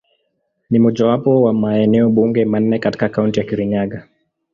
Ni mojawapo wa maeneo bunge manne katika Kaunti ya Kirinyaga.